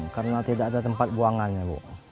karena tidak ada tempat buangannya bu